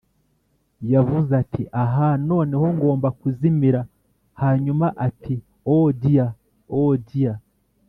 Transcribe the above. yavuze ati 'ah, noneho ngomba kuzimira' hanyuma ati 'oh dear, oh dear'.